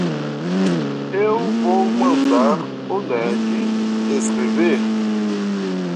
Eu vou mandar o Ned escrever.